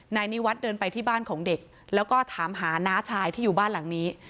นายนิวัฒน์เดินไปที่บ้านของเด็กแล้วก็ถามหาน้าชายที่อยู่บ้านหลังนี้